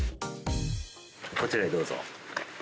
こちらへどうぞ。